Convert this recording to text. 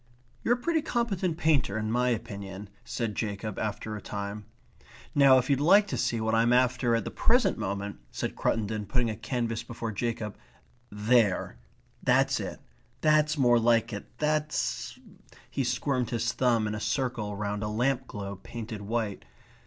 "You're a pretty competent painter in my opinion," said Jacob after a time. "Now if you'd like to see what I'm after at the present moment," said Cruttendon, putting a canvas before Jacob. "There. That's it. That's more like it. That's ..." he squirmed his thumb in a circle round a lamp globe painted white.